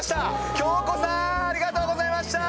きょうこさーん、ありがとうございました。